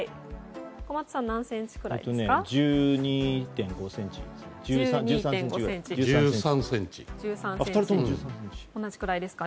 小松さんは何センチぐらいですか？